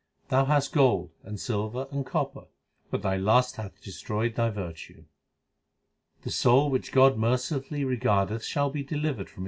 2 Thou hast gold, and silver, and copper ; But thy lust hath destroyed thy virtue. The soul which God mercifully regardeth Shall be delivered from its prison. 1 A/gar bhar.